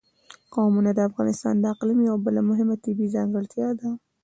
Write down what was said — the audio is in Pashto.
قومونه د افغانستان د اقلیم یوه بله مهمه طبیعي ځانګړتیا ده.